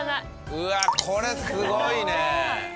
うわっこれすごいね。